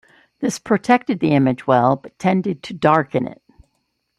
This protected the image well but tended to darken it.